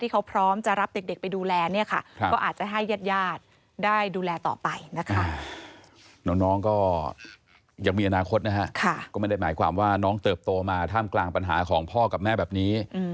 ก็ไม่ได้หมายความว่าน้องเติบโตมาท่ามกลางปัญหาของพ่อกับแม่แบบนี้